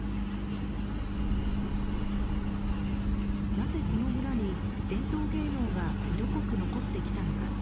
なぜこの村に、伝統芸能が色濃く残ってきたのか。